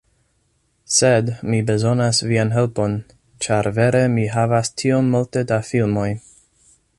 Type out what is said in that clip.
Sed, mi bezonas vian helpon, ĉar vere mi havas tiom multe da filmoj.